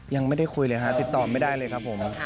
ยังไม่ได้คุยเลยฮะติดต่อไม่ได้เลยครับผม